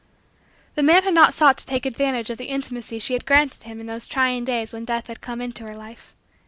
The man had not sought to take advantage of the intimacy she had granted him in those trying days when Death had come into her life.